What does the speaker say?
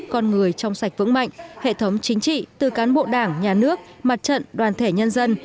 con người trong sạch vững mạnh hệ thống chính trị từ cán bộ đảng nhà nước mặt trận đoàn thể nhân dân